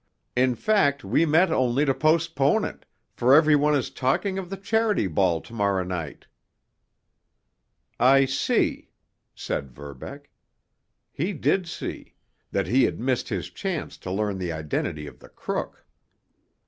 In fact, we met only to postpone it, for every one is talking of the Charity Ball to morrow night." "I see," said Verbeck. He did see—that he had missed his chance to learn the identity of the crook.